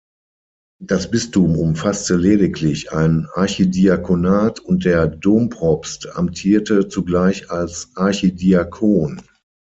Das Bistum umfasste lediglich ein Archidiakonat, und der Dompropst amtierte zugleich als Archidiakon.